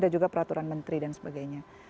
juga peraturan menteri dan sebagainya